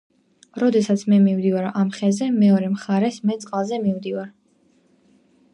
როდესაც მე მივდივარ ამ ხეზე მეორე მხარეს მე წყალზე მივდივარ